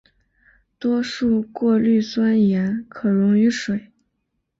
多数过氯酸盐可溶于水。